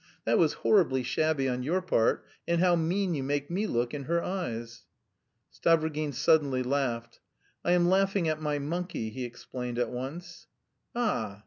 That was horribly shabby on your part; and how mean you make me look in her eyes!" Stavrogin suddenly laughed. "I am laughing at my monkey," he explained at once. "Ah!